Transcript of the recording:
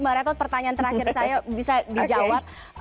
maretot pertanyaan terakhir saya bisa dijawab